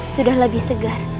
sudah lebih segar